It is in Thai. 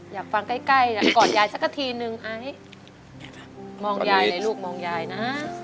อยากฟังใกล้กอดยายสักทีนึงไอซ์มองยายเลยลูกมองยายนะ